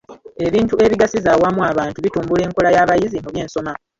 Ebintu ebigasiza awamu abantu bitumbula enkola y'abayizi mu by'ensoma.